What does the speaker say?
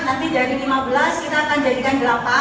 nanti dari lima belas kita akan jadikan delapan